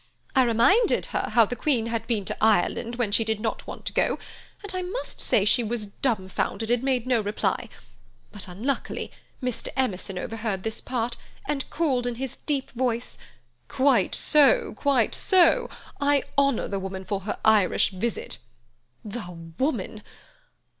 I reminded her how the Queen had been to Ireland when she did not want to go, and I must say she was dumbfounded, and made no reply. But, unluckily, Mr. Emerson overheard this part, and called in his deep voice: 'Quite so, quite so! I honour the woman for her Irish visit.' The woman!